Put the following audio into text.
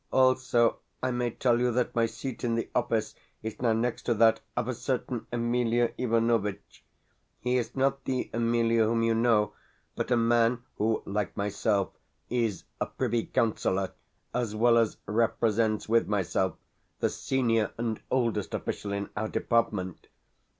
Also, I may tell you that my seat in the office is now next to that of a certain Emelia Ivanovitch. He is not the Emelia whom you know, but a man who, like myself, is a privy councillor, as well as represents, with myself, the senior and oldest official in our department.